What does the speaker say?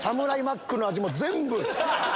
マックの味も全部。